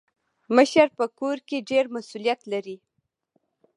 مشر په کور کي ډير مسولیت لري.